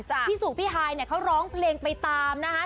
พี่สุพี่ฮายเขาร้องเพลงไปตามนะฮะ